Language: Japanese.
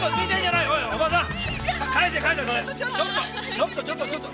ちょっとちょっとちょっと！